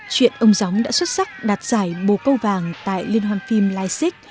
chuyện ông gióng đã xuất sắc đạt giải bồ câu vàng tại liên hoàn phim lai xích